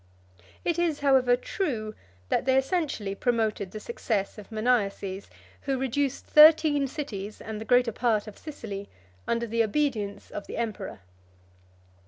It is, however, true, that they essentially promoted the success of Maniaces, who reduced thirteen cities, and the greater part of Sicily, under the obedience of the emperor.